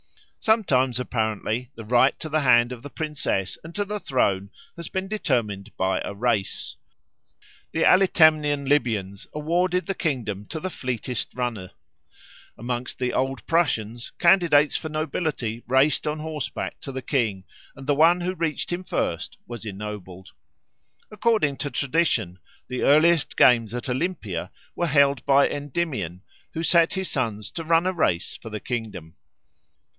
Sometimes apparently the right to the hand of the princess and to the throne has been determined by a race. The Alitemnian Libyans awarded the kingdom to the fleetest runner. Amongst the old Prussians, candidates for nobility raced on horseback to the king, and the one who reached him first was ennobled. According to tradition the earliest games at Olympia were held by Endymion, who set his sons to run a race for the kingdom.